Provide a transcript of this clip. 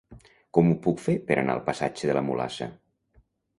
Com ho puc fer per anar al passatge de la Mulassa?